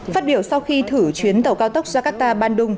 phát biểu sau khi thử chuyến tàu cao tốc jakarta bandung